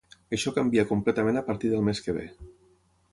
Això canvia completament a partir del mes que ve.